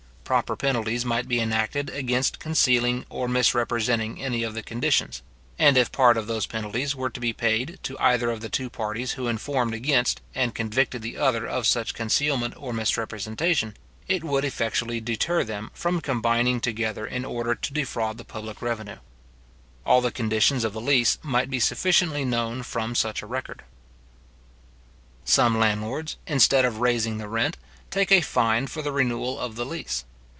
Proper penalties might be enacted against concealing or misrepresenting any of the conditions; and if part of those penalties were to be paid to either of the two parties who informed against and convicted the other of such concealment or misrepresentation, it would effectually deter them from combining together in order to defraud the public revenue. All the conditions of the lease might be sufficiently known from such a record. Some landlords, instead of raising the rent, take a fine for the renewal of the lease.